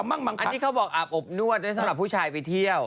อาบอบนวดสำหรับผู้ชายไปเที่ยว